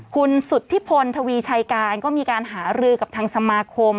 คุณสุธิพลทวีชัยการก็มีการหารือกับทางสมาคม